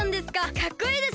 かっこいいですね！